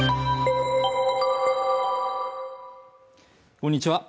こんにちは